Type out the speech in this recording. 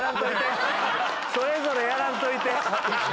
それぞれやらんといて！